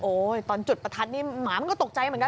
ตอนจุดประทัดนี่หมามันก็ตกใจเหมือนกัน